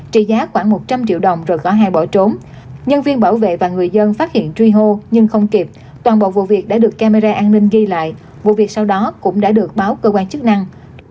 trị giá khoảng một trăm linh triệu đồng rồi gõ hai bỏ trốn nhân viên bảo vệ và người dân phát hiện truy hô nhưng không kịp toàn bộ vụ việc đã được camera an ninh ghi lại vụ việc sau đó cũng đã được báo cơ quan chức năng